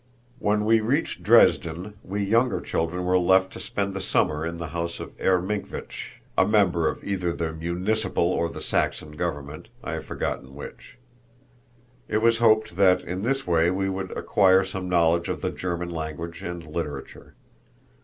When we reached Dresden we younger children were left to spend the summer in the house of Herr Minckwitz, a member of either the Municipal or the Saxon Government I have forgotten which. It was hoped that in this way we would acquire some knowledge of the German language and literature.